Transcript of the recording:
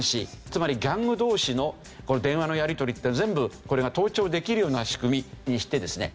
つまりギャング同士の電話のやり取り全部これが盗聴できるような仕組みにしてですね